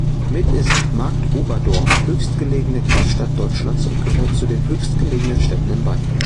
Mit ist Marktoberdorf höchstgelegene Kreisstadt Deutschlands und gehört zu den höchstgelegenen Städten in Bayern.